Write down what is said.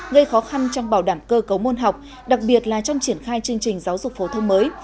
gây khó khăn trong bảo đảm cơ cấu môn học đặc biệt là trong triển khai chương trình giáo dục phổ thông mới